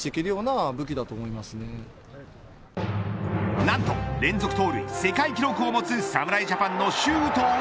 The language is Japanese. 何と連続盗塁世界記録を持つ侍ジャパンの周東佑